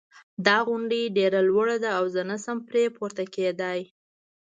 دا غونډی ډېره لوړه ده او زه نه شم پری پورته کېدای